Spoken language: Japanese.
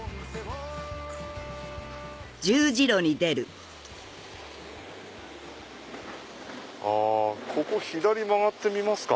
はいあここ左曲がってみますか。